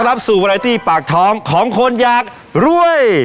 รับสู่วาไลตี้ปากท้องของคนอยากรวย